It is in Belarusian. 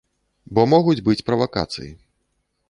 Бо могуць быць правакацыі.